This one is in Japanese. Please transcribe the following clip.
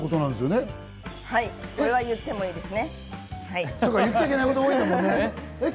これは言ってもいいですね？